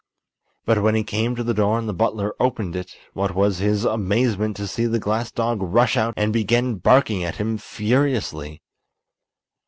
But when he came to the door and the butler opened it, what was his amazement to see the glass dog rush out and begin barking at him furiously.